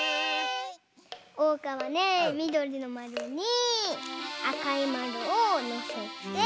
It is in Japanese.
おうかはねみどりのまるにあかいまるをのせて。